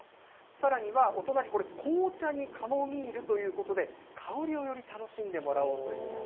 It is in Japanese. さらにはお隣、紅茶にカモミールということで、香りをより楽しんでもらおうという。